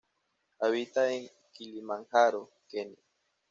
Habita en Kilimanjaro, Kenia.